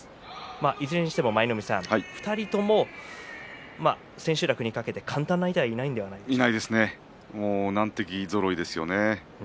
いずれにしても２人とも千秋楽にかけて簡単な相手はいえ、ないですね。